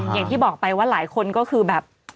อย่างที่บอกไปว่าหลายคนก็คือแบบ